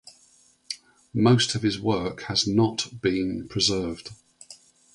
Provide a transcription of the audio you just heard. Most of his work has not been preserved.